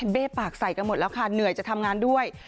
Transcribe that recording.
เบ้ปากใส่กันหมดแล้วค่ะเหนื่อยจะทำงานด้วย